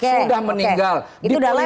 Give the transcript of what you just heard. sudah meninggal itu sudah lewat itu